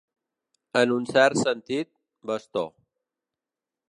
En un cert sentit, bastó.